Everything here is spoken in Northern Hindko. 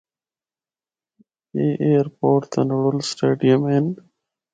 اے ایئرپورٹ تے نڑول سٹیڈیم ہن۔